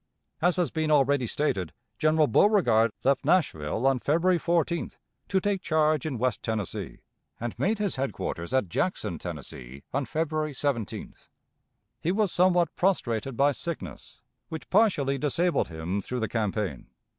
As has been already stated, General Beauregard left Nashville on February 14th to take charge in West Tennessee, and made his headquarters at Jackson, Tennessee, on February 17th. He was somewhat prostrated by sickness, which partially disabled him through the campaign.